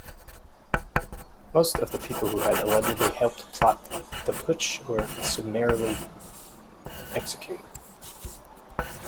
Most of the people who had allegedly helped plot the putsch were summarily executed.